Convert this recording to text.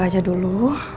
semoga aja dulu